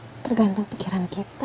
itu tergantung pikiran kita